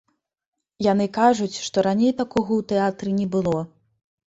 Яны кажуць, што раней такога ў тэатры не было.